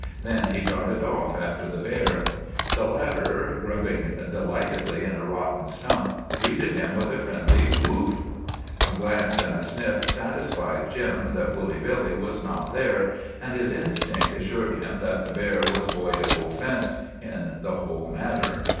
Then he darted off after the bear. The latter, grubbing delightedly in a rotten stump, greeted him with a friendly "Woof." A glance and a sniff satisfied Jim that Woolly Billy was not there, and his instinct assured him that the bear was void of offence in the whole matter.